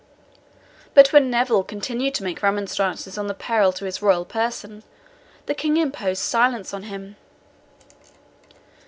But when Neville continued to make remonstrances on the peril to his royal person, the King imposed silence on him.